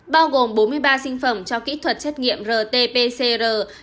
bao gồm bốn mươi ba sinh phẩm cho kỹ thuật xét nghiệm rt pcr